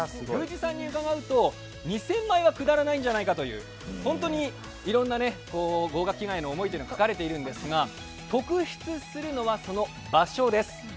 宮司さんに伺うと２０００枚は下らないんじゃないかという本当にいろんな合格祈願への思いが書かれているんですが、特筆するのは、その場所です。